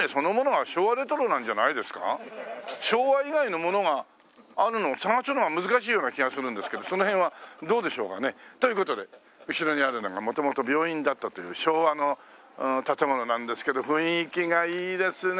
昭和以外のものがあるのを探すのが難しいような気がするんですけどその辺はどうでしょうかね。という事で後ろにあるのが元々病院だったという昭和の建物なんですけど雰囲気がいいですね